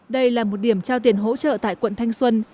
đây là một điểm trao tiền hỗ trợ tại quận thanh xuân